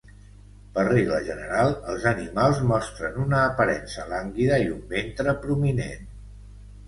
Per regla general, els animals mostren una aparença lànguida i un ventre prominent.